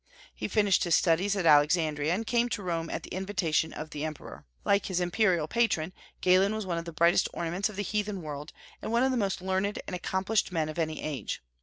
He finished his studies at Alexandria, and came to Rome at the invitation of the Emperor. Like his imperial patron, Galen was one of the brightest ornaments of the heathen world, and one of the most learned and accomplished men of any age.